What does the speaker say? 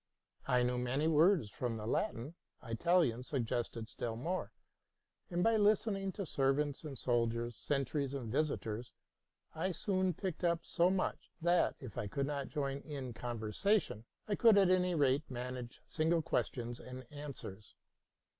I knew many words from the Latin ; Italian suggested still more ; and by listening to ser vants and soldiers, sentries and visitors, I soon picked up so much, that, if I could not join in conversation, I could at any rate manage single questions and answers.